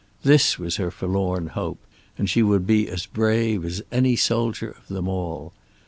This was her forlorn hope, and she would be as brave as any soldier of them all.